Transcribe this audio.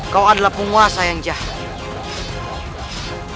kau adalah penguasa yang jahat